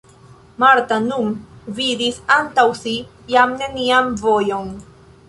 Marta nun vidis antaŭ si jam nenian vojon.